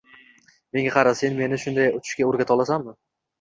— Menga qara, sen meni shunday uchishga o‘rgata olasanmi?